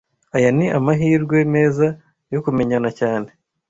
Aya ni amahirwe meza yo kumenyana cyane